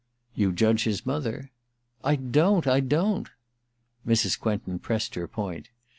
* You judge his mother/ * I don't ; I don't.' Mrs. Quentin pressed her point.